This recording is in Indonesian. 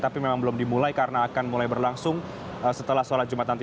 tapi memang belum dimulai karena akan mulai berlangsung setelah sholat jumat nanti